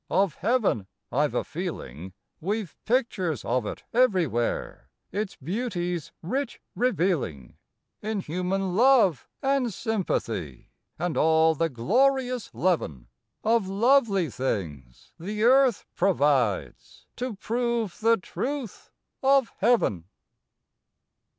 Of Heaven I ve a feeling We ve pictures of it everywhere, its beauties rich revealing, In human love, and sympathy, and all the glorious leaven Of lovely things the Earth provides to prove the truth of Heaven.